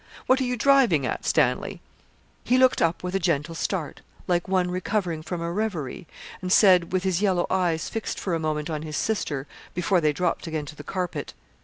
What are you driving at, Stanley?' He looked up with a gentle start, like one recovering from a reverie, and said, with his yellow eyes fixed for a moment on his sister, before they dropped again to the carpet.